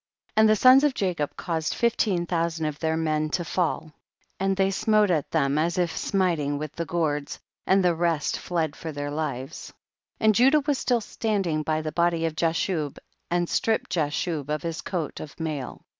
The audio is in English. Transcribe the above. And the sons of Jacob caused fifteen thousand of their men to fall, and they smote them as if smiting at 112 THE BOOK OF JASHER. gourds, and the rest fled for their hves. 43. And Judah was still standing by the body of Jashub, and stripped Jashub of his coat of mail.